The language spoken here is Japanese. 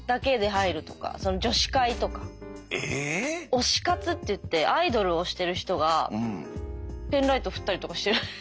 推し活っていってアイドルを推してる人がペンライト振ったりとかしてる。